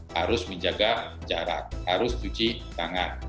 harus menjaga jarak harus cuci tangan